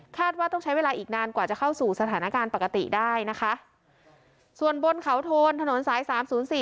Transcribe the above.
ว่าต้องใช้เวลาอีกนานกว่าจะเข้าสู่สถานการณ์ปกติได้นะคะส่วนบนเขาโทนถนนสายสามศูนย์สี่